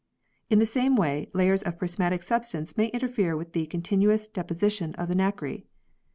In the same way, layers of prismatic substance may interfere with the continuous deposition of the nacre.